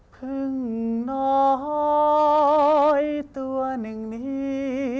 พึ่งน้อยตัวหนึ่งนี้